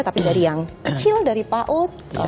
tapi dari yang kecil dari paut